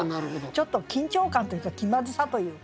ちょっと緊張感というか気まずさというかね。